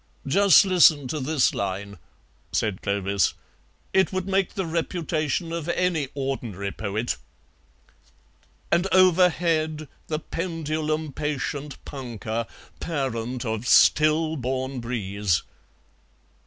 "Just listen to this line," said Clovis; "it would make the reputation of any ordinary poet: 'and overhead The pendulum patient Punkah, parent of stillborn breeze.'"